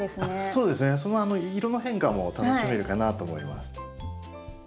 そうですね色の変化も楽しめるかなと思います。